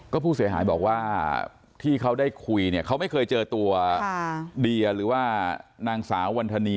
ก็ผู้เสียหายบอกว่าที่เขาได้คุยเนี่ยเขาไม่เคยเจอตัวเดียหรือว่านางสาววันธนี